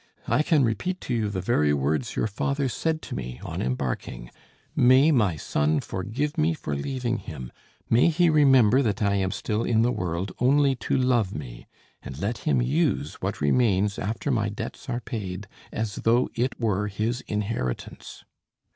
I can repeat to you the very words your father said to me on embarking: 'May my son forgive me for leaving him; may he remember that I am still in the world only to love me, and let him use what remains after my debts are paid as though it were his inheritance.'